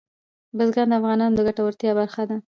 بزګان د افغانانو د ګټورتیا برخه ده.